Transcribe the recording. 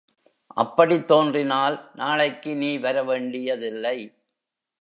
அப்படித் தோன்றினால், நாளைக்கு நீ வரவேண்டியதில்லை.